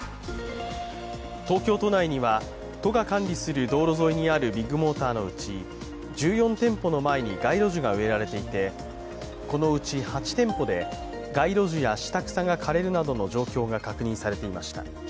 東京都内には都が管理する道路沿いにあるビッグモーターのうち、１４店舗の前に街路樹が植えられていて、このうち８店舗で街路樹や下草が枯れるなどの状況が確認されていました。